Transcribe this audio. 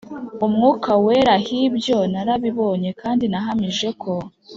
umwuka wera h Ibyo narabibonye kandi nahamije ko